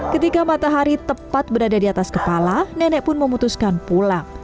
ketika matahari tepat berada di atas kepala nenek pun memutuskan pulang